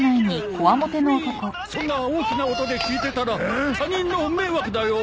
君そんな大きな音で聴いてたら他人の迷惑だよ！